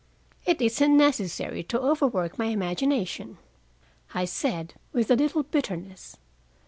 "It isn't necessary to overwork my imagination," I said, with a little bitterness.